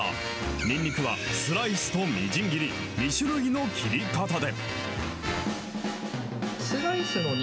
にんにくはスライスとみじん切り、２種類の切り方で。